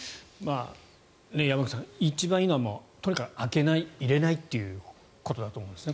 山口さん、一番いいのはとにかく開けない、入れないということだと思うんですね。